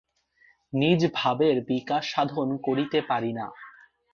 নিজ ভাবের বিকাশসাধন করিতে পারি না।